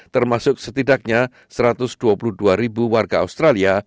termasuk setidaknya satu ratus dua puluh dua ribu warga australia